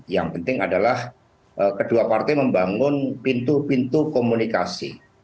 yang penting adalah kedua partai membangun pintu pintu komunikasi